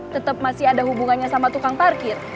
tetap masih ada hubungannya sama tukang parkir